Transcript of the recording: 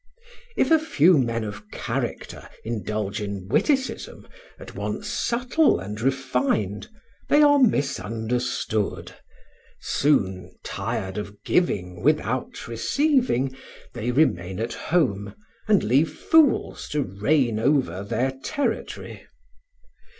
If a few men of character indulge in witticism, at once subtle and refined, they are misunderstood; soon, tired of giving without receiving, they remain at home, and leave fools to reign over their territory.